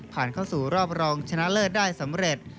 เข้าสู่รอบรองชนะเลิศได้สำเร็จ